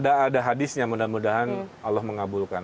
tidak ada hadisnya mudah mudahan allah mengabulkan